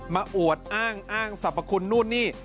อวดอ้างอ้างสรรพคุณนู่นนี่